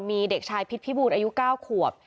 มีเด็กชายพิษพิบูรณ์อายุ๙ขวบ